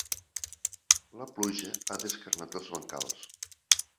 La pluja ha descarnat els bancals.